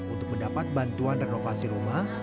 untuk mendapat bantuan renovasi rumah